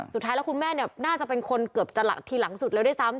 สุดท้ายแล้วคุณแม่เนี่ยน่าจะเป็นคนเกือบจะทีหลังสุดแล้วด้วยซ้ำ